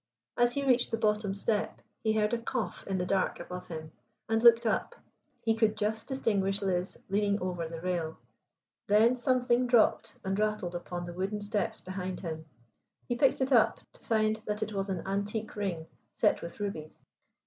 As he reached the bottom step he heard a cough in the dark above him and looked up. He could just distinguish Liz leaning over the rail. Then something dropped and rattled upon the wooden steps behind him. He picked it up to find that it was an antique ring set with rubies.